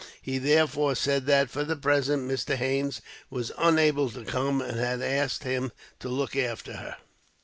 He therefore said that, for the present, Mr. Haines was unable to come, and had asked him to look after her.